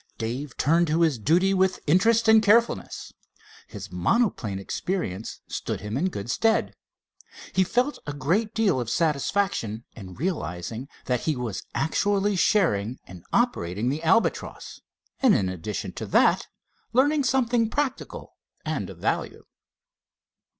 Dave turned to his duty with interest and carefulness. His monoplane experience stood him in good stead. He felt a great deal of satisfaction in realizing that he was actually sharing in operating the Albatross, and in addition to that learning something practical and of value.